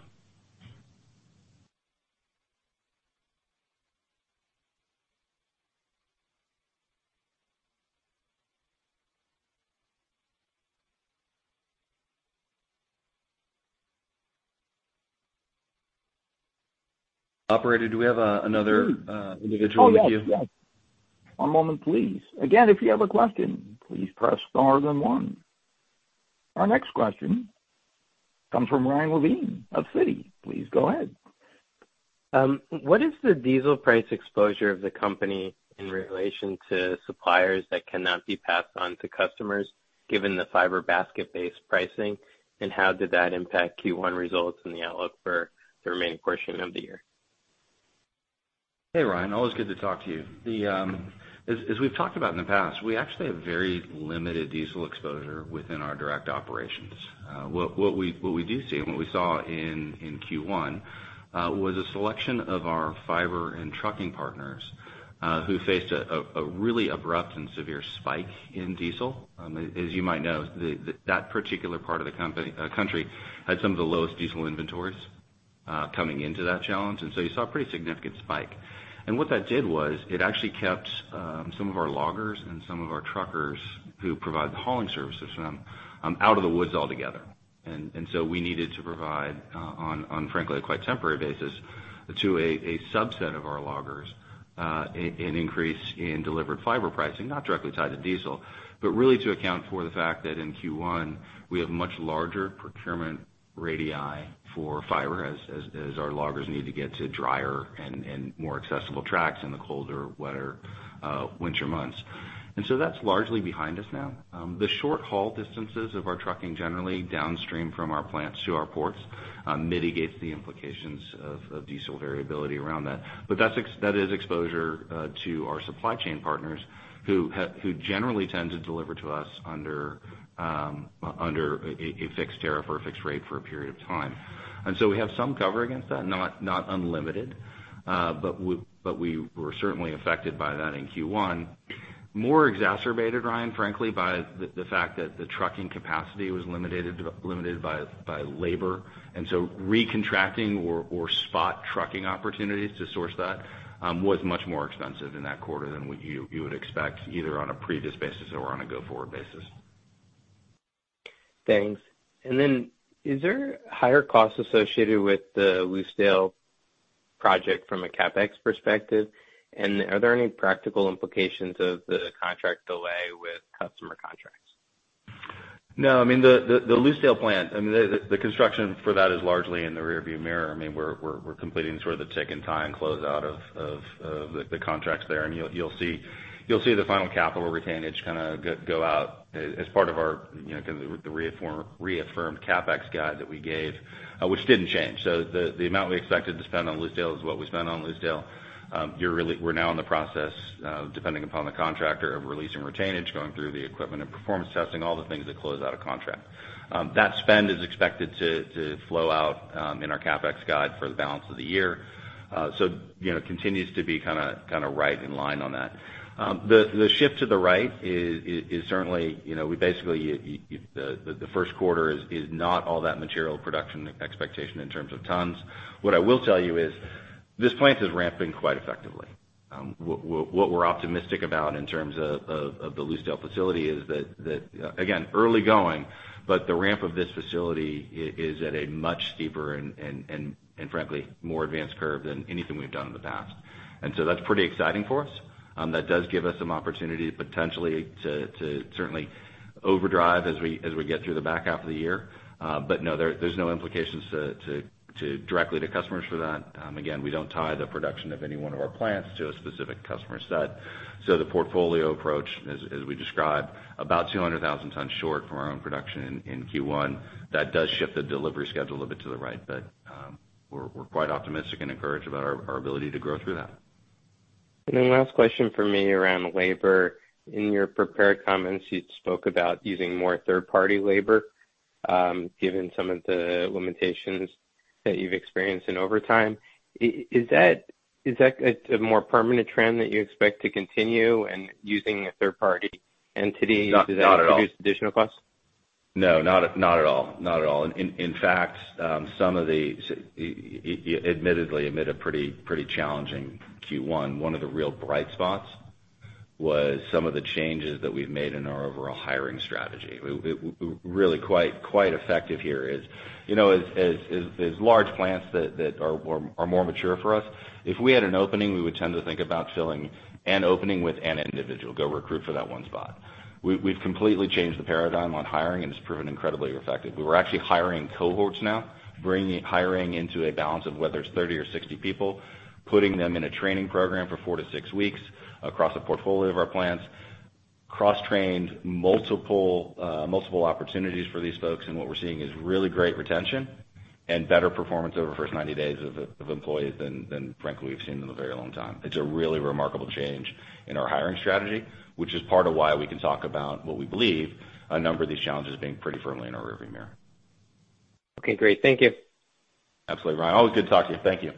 Operator, do we have another individual in the queue? One moment, please. Again, if you have a question, please press star then one. Our next question comes from Ryan Levine of Citi. Please go ahead. What is the diesel price exposure of the company in relation to suppliers that cannot be passed on to customers given the fiber basket-based pricing, and how did that impact Q1 results and the outlook for the remaining portion of the year? Hey, Ryan. Always good to talk to you. As we've talked about in the past, we actually have very limited diesel exposure within our direct operations. What we do see and what we saw in Q1 was a selection of our fiber and trucking partners who faced a really abrupt and severe spike in diesel. As you might know, that particular part of the country had some of the lowest diesel inventories coming into that challenge, and so you saw a pretty significant spike. What that did was it actually kept some of our loggers and some of our truckers who provide the hauling services for them out of the woods altogether. We needed to provide, on frankly, a quite temporary basis to a subset of our loggers, an increase in delivered fiber pricing, not directly tied to diesel, but really to account for the fact that in Q1, we have much larger procurement radii for fiber as our loggers need to get to drier and more accessible tracks in the colder weather, winter months. That's largely behind us now. The short haul distances of our trucking generally downstream from our plants to our ports, mitigates the implications of diesel variability around that. That's exposure to our supply chain partners who generally tend to deliver to us under a fixed tariff or a fixed rate for a period of time. We have some cover against that, not unlimited, but we were certainly affected by that in Q1. More exacerbated, Ryan, frankly, by the fact that the trucking capacity was limited by labor. Recontracting or spot trucking opportunities to source that was much more expensive in that quarter than what you would expect either on a previous basis or on a go-forward basis. Thanks. Is there higher costs associated with the Lucedale project from a CapEx perspective? Are there any practical implications of the contract delay with customer contracts? No, I mean the Lucedale plant, I mean the construction for that is largely in the rearview mirror. I mean, we're completing sort of the tick and tie and closeout of the contracts there, and you'll see the final capital retainage kinda go out as part of our, you know, kind of the reaffirmed CapEx guide that we gave, which didn't change. The amount we expected to spend on Lucedale is what we spent on Lucedale. We're now in the process, depending upon the contractor, of releasing retainage, going through the equipment and performance testing, all the things that close out a contract. That spend is expected to flow out in our CapEx guide for the balance of the year. You know, it continues to be kinda right in line on that. The shift to the right is certainly you know, we basically the first quarter is not all that material to production expectations in terms of tons. What I will tell you is this plant is ramping quite effectively. What we're optimistic about in terms of the Lucedale facility is that, again, early going, but the ramp of this facility is at a much steeper and frankly more advanced curve than anything we've done in the past. That's pretty exciting for us. That does give us some opportunity potentially to certainly overdrive as we get through the back half of the year. There's no implications directly to customers for that. Again, we don't tie the production of any one of our plants to a specific customer set. The portfolio approach, as we described, about 200,000 tons short from our own production in Q1. That does shift the delivery schedule a bit to the right, but we're quite optimistic and encouraged about our ability to grow through that. Last question for me around labor. In your prepared comments, you spoke about using more third-party labor, given some of the limitations that you've experienced in overtime. Is that a more permanent trend that you expect to continue and using a third party entity? No, not at all. Does that introduce additional costs? No, not at all. In fact, admittedly amid a pretty challenging Q1, one of the real bright spots was some of the changes that we've made in our overall hiring strategy. Were really quite effective here, you know, as large plants that are more mature for us, if we had an opening, we would tend to think about filling an opening with an individual, go recruit for that one spot. We've completely changed the paradigm on hiring, and it's proven incredibly effective. We're actually hiring cohorts now, bringing hiring into a balance of whether it's 30 or 60 people, putting them in a training program for four to six weeks across a portfolio of our plants, cross-trained multiple opportunities for these folks. What we're seeing is really great retention and better performance over the first 90 days of employees than frankly we've seen in a very long time. It's a really remarkable change in our hiring strategy, which is part of why we can talk about what we believe a number of these challenges being pretty firmly in our rearview mirror. Okay, great. Thank you. Absolutely, Ryan. Always good to talk to you. Thank you.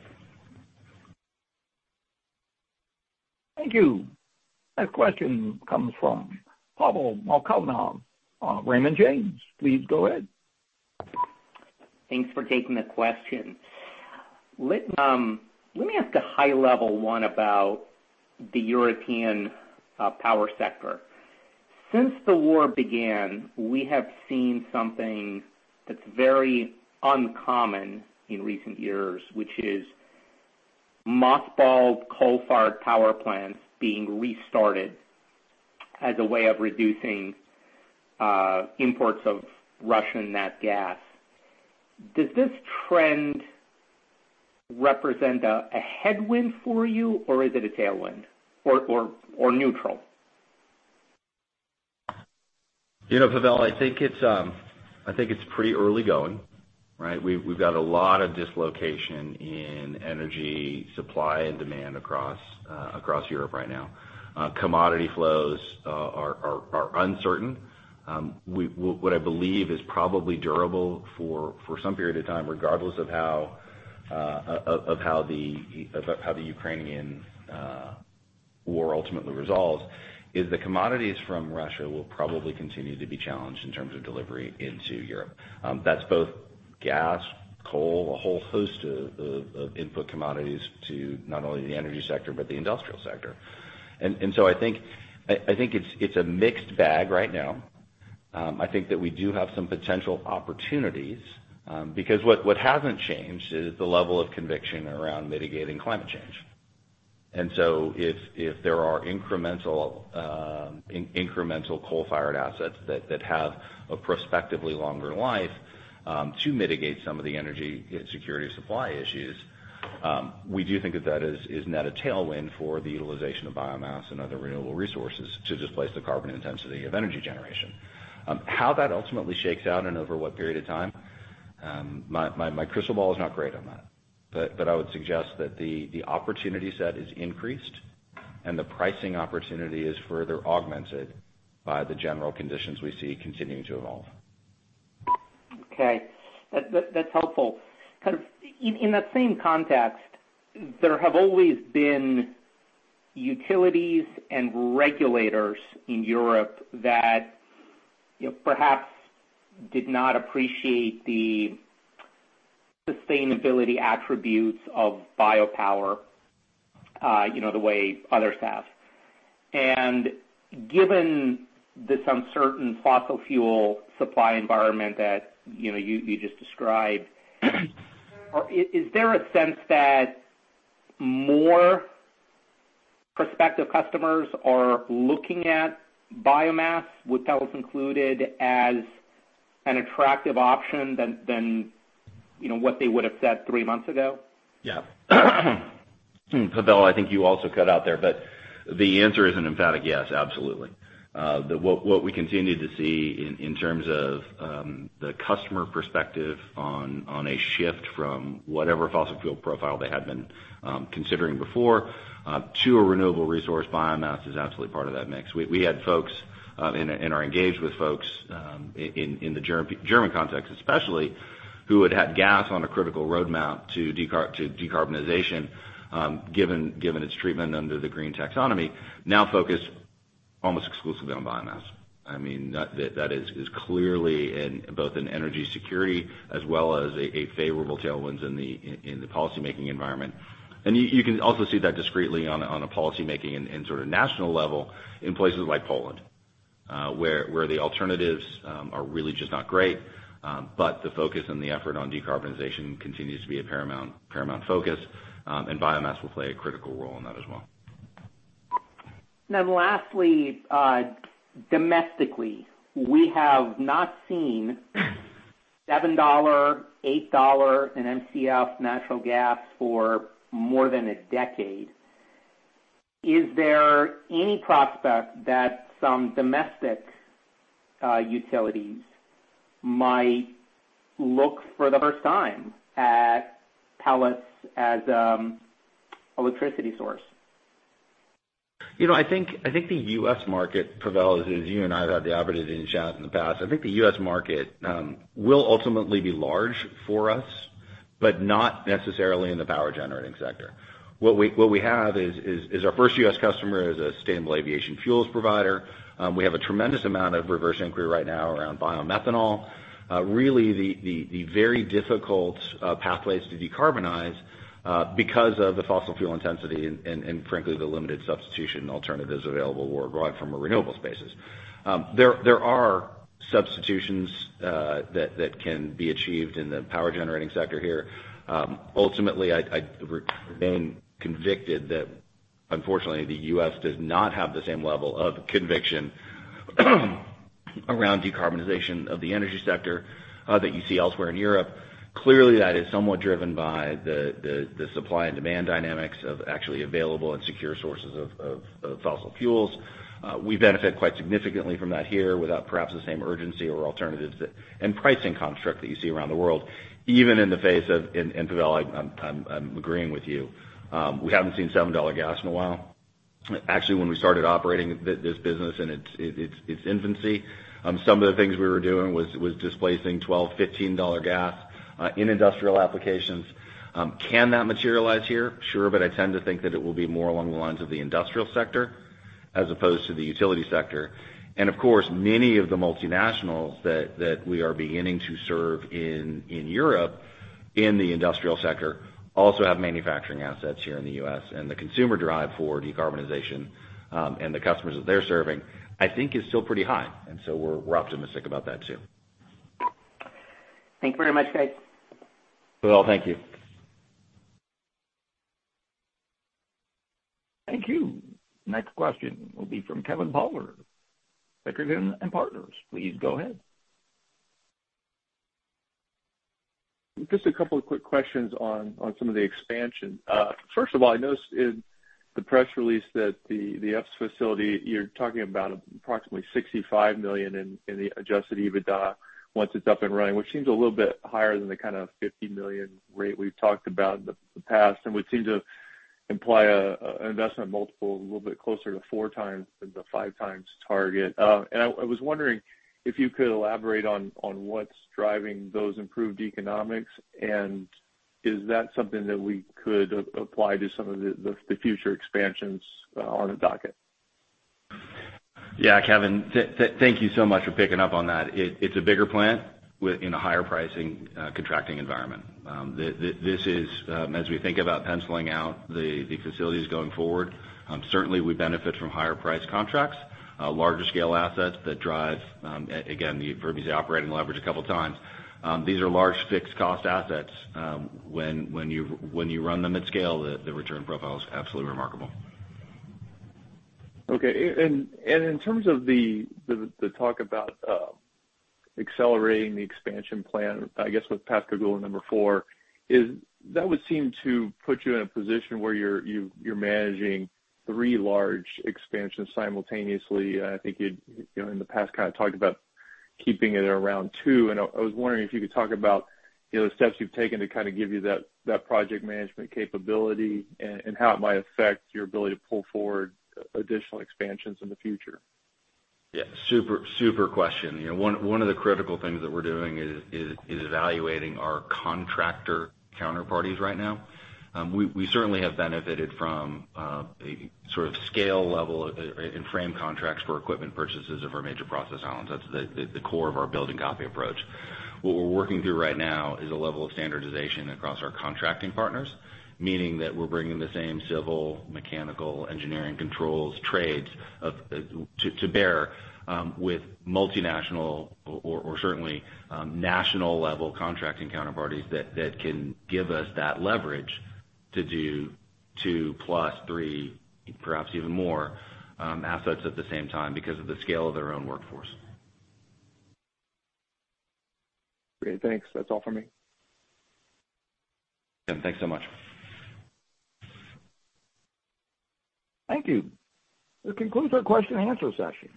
Thank you. Next question comes from Pavel Molchanov of Raymond James. Please go ahead. Thanks for taking the question. Let me ask a high-level one about the European power sector. Since the war began, we have seen something that's very uncommon in recent years, which is mothballed coal-fired power plants being restarted as a way of reducing imports of Russian nat gas. Does this trend represent a headwind for you, or is it a tailwind or neutral? You know, Pavel, I think it's pretty early going, right? We've got a lot of dislocation in energy supply and demand across Europe right now. Commodity flows are uncertain. What I believe is probably durable for some period of time, regardless of how the Ukrainian war ultimately resolves, is the commodities from Russia will probably continue to be challenged in terms of delivery into Europe. That's both gas, coal, a whole host of input commodities to not only the energy sector but the industrial sector. I think it's a mixed bag right now. I think that we do have some potential opportunities, because what hasn't changed is the level of conviction around mitigating climate change. If there are incremental coal-fired assets that have a prospectively longer life to mitigate some of the energy security supply issues, we do think that is net a tailwind for the utilization of biomass and other renewable resources to displace the carbon intensity of energy generation. How that ultimately shakes out and over what period of time, my crystal ball is not great on that. I would suggest that the opportunity set is increased, and the pricing opportunity is further augmented by the general conditions we see continuing to evolve. Okay. That's helpful. Kind of in that same context, there have always been utilities and regulators in Europe that, you know, perhaps did not appreciate the sustainability attributes of biopower, you know, the way others have. Given this uncertain fossil fuel supply environment that, you know, you just described, is there a sense that more prospective customers are looking at biomass? Would that be included as an attractive option than, you know, what they would have said three months ago? Yeah. Pavel, I think you also cut out there, but the answer is an emphatic yes, absolutely. What we continue to see in terms of the customer perspective on a shift from whatever fossil fuel profile they had been considering before to a renewable resource, biomass is absolutely part of that mix. We had folks and are engaged with folks in the German context especially, who had gas on a critical roadmap to decarbonization, given its treatment under the green taxonomy, now focus almost exclusively on biomass. I mean, that is clearly in both energy security as well as a favorable tailwinds in the policymaking environment. You can also see that discreetly on a policymaking and in sort of national level in places like Poland, where the alternatives are really just not great, but the focus and the effort on decarbonization continues to be a paramount focus, and biomass will play a critical role in that as well. Domestically, we have not seen $7, $8 in MCF natural gas for more than a decade. Is there any prospect that some domestic utilities might look for the first time at pellets as electricity source? You know, I think the U.S. market, Pavel, as you and I have had the opportunity to chat in the past, I think the U.S. market will ultimately be large for us, but not necessarily in the power generating sector. What we have is our first U.S. customer is a Sustainable Aviation Fuel provider. We have a tremendous amount of reverse inquiry right now around biomethanol. Really the very difficult pathways to decarbonize because of the fossil fuel intensity and frankly, the limited substitution alternatives available or growing from a renewable spaces. There are substitutions that can be achieved in the power generating sector here. Ultimately, I remain convicted that unfortunately the U.S. does not have the same level of conviction around decarbonization of the energy sector, that you see elsewhere in Europe. Clearly, that is somewhat driven by the supply and demand dynamics of actually available and secure sources of fossil fuels. We benefit quite significantly from that here without perhaps the same urgency or alternatives and pricing construct that you see around the world, even in the face of, and Pavel, I'm agreeing with you. We haven't seen $7 gas in a while. Actually, when we started operating this business in its infancy, some of the things we were doing was displacing $12-$15 gas in industrial applications. Can that materialize here? Sure. I tend to think that it will be more along the lines of the industrial sector as opposed to the utility sector. Of course, many of the multinationals that we are beginning to serve in Europe in the industrial sector also have manufacturing assets here in the US. The consumer drive for decarbonization, and the customers that they're serving, I think is still pretty high. We're optimistic about that too. Thank you very much, Greg. Pavel, thank you. Thank you. Next question will be from Kevin Bowler [audio distortion] & Partners. Please go ahead. Just a couple of quick questions on some of the expansion. First of all, I noticed in the press release that the Epes facility, you're talking about approximately $65 million in the Adjusted EBITDA once it's up and running, which seems a little bit higher than the kinda $50 million rate we've talked about in the past. Would seem to imply an investment multiple a little bit closer to 4x than the 5x target. I was wondering if you could elaborate on what's driving those improved economics, and is that something that we could apply to some of the future expansions on the docket? Yeah. Kevin, thank you so much for picking up on that. It's a bigger plant within a higher pricing contracting environment. This is, as we think about penciling out the facilities going forward, certainly we benefit from higher price contracts, larger scale assets that drive again, for me to say operating leverage a couple of times. These are large fixed cost assets. When you run them at scale, the return profile is absolutely remarkable. Okay. In terms of the talk about accelerating the expansion plan, I guess, with path to goal number four, is that would seem to put you in a position where you're managing three large expansions simultaneously. I think you'd, you know, in the past kinda talked about keeping it around two. I was wondering if you could talk about, you know, the steps you've taken to kinda give you that project management capability and how it might affect your ability to pull forward additional expansions in the future. Yeah. Super question. You know, one of the critical things that we're doing is evaluating our contractor counterparties right now. We certainly have benefited from a sort of scale level in-frame contracts for equipment purchases of our major process islands. That's the core of our building block approach. What we're working through right now is a level of standardization across our contracting partners, meaning that we're bringing the same civil, mechanical engineering controls trades to bear with multinational or certainly national level contracting counterparties that can give us that leverage to do 2 + 3, perhaps even more, assets at the same time because of the scale of their own workforce. Great. Thanks. That's all for me. Kevin, thanks so much. Thank you. This concludes our question and answer session.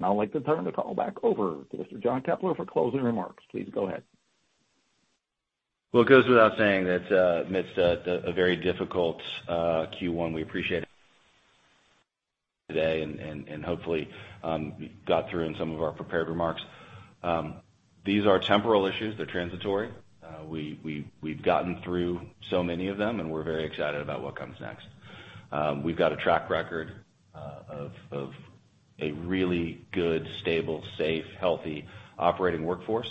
I'd like to turn the call back over to Mr. John Keppler for closing remarks. Please go ahead. Well, it goes without saying that, amidst a very difficult Q1, we appreciate today and hopefully got through in some of our prepared remarks. These are temporal issues. They're transitory. We've gotten through so many of them, and we're very excited about what comes next. We've got a track record of a really good, stable, safe, healthy operating workforce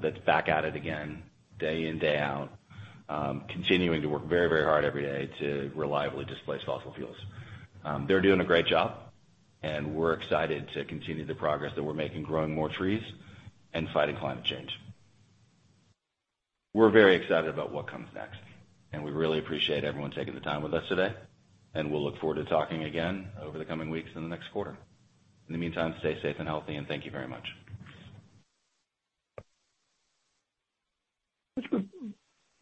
that's back at it again day in, day out, continuing to work very hard every day to reliably displace fossil fuels. They're doing a great job, and we're excited to continue the progress that we're making, growing more trees and fighting climate change. We're very excited about what comes next, and we really appreciate everyone taking the time with us today, and we'll look forward to talking again over the coming weeks in the next quarter. In the meantime, stay safe and healthy, and thank you very much.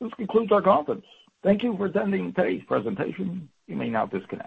This concludes our conference. Thank you for attending today's presentation. You may now disconnect.